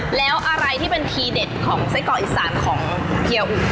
แล้วอะไรที่เป็นทีเด็ดของไส้กรอกอีสานของเกียร์อุ